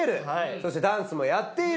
そしてダンスもやっている。